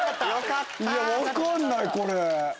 分かんないこれ。